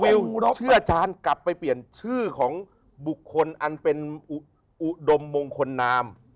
วิวเชื่อทานกลับไปเปลี่ยนชื่อของบุคคลอันเป็นอุดมมงคนนาม